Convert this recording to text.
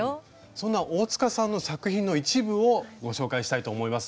そんな大さんの作品の一部をご紹介したいと思います。